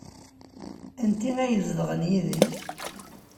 Anti ay izedɣen yid-k?